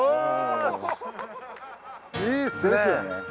いいっすね。